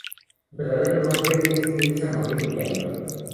Su verdadero nombre es Elsa Mabel Villalba.